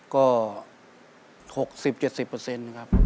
ก็๖๐๗๐นะครับ